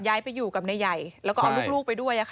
ย้ายไปอยู่กับนายใหญ่แล้วก็เอาลูกไปด้วย